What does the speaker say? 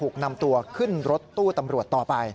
ขึ้นรถตู้ตัมรวจต่อไป